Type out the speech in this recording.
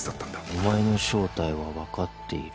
「お前の正体は判っている」